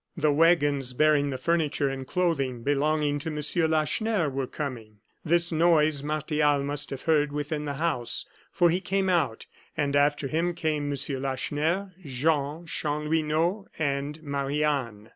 The wagons bearing the furniture and clothing belonging to M. Lacheneur were coming. This noise Martial must have heard within the house, for he came out, and after him came M. Lacheneur, Jean, Chanlouineau, and Marie Anne.